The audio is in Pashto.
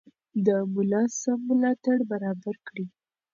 د ملا سم ملاتړ برابر کړئ.